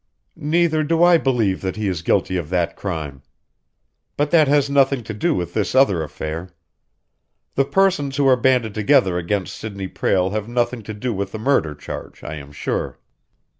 "Neither do I believe that he is guilty of that crime, but that has nothing to do with this other affair. The persons who are banded together against Sidney Prale have nothing to do with the murder charge, I am sure."